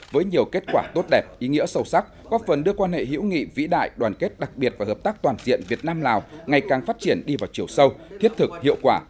với nhiều kết quả tốt đẹp ý nghĩa sâu sắc góp phần đưa quan hệ hữu nghị vĩ đại đoàn kết đặc biệt và hợp tác toàn diện việt nam lào ngày càng phát triển đi vào chiều sâu thiết thực hiệu quả